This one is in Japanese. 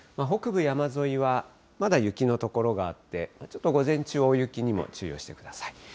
北部山沿いは、まだ雪の所があって、ちょっと午前中、大雪にも注意をしてください。